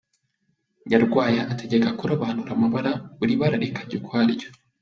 Nyarwaya ategeka kurobanura amabara, buri bara rikajya ukwaryo.